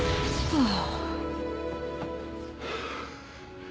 ああ。